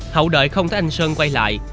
hậu đợi không thấy anh sơn quay lại